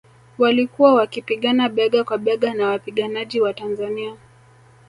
Walikuwa wakipigana bega kwa bega na wapiganaji wa Tanzania